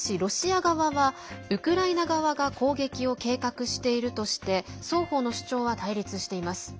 これに対し、ロシア側はウクライナ側が攻撃を計画しているとして双方の主張は対立しています。